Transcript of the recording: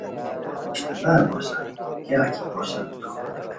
رشتہ دار بوسان کیاغ کی بوسان تو